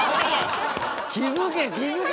「気付け気付け！